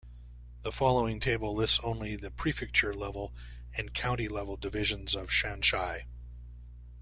The following table lists only the prefecture-level and county-level divisions of Shaanxi.